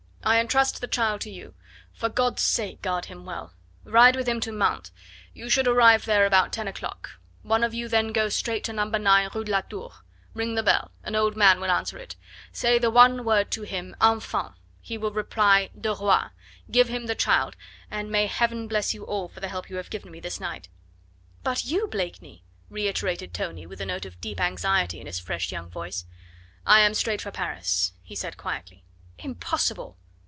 I entrust the child to you. For God's sake guard him well! Ride with him to Mantes. You should arrive there at about ten o'clock. One of you then go straight to No.9 Rue la Tour. Ring the bell; an old man will answer it. Say the one word to him, 'Enfant'; he will reply, 'De roi!' Give him the child, and may Heaven bless you all for the help you have given me this night!" "But you, Blakeney?" reiterated Tony with a note of deep anxiety in his fresh young voice. "I am straight for Paris," he said quietly. "Impossible!"